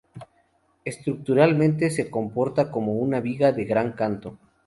Estructuralmente se comporta como una viga de gran canto.